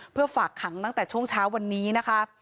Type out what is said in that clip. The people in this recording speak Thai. เพื่อฝากขังตั้งแต่ช่วงเช้าวันนี้นะคะ